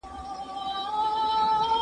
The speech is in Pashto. کتاب باید ستاسو وخت او انرژي ارزښتمن کړي.